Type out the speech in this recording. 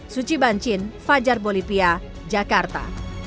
suci bancin fajar bolivia jakarta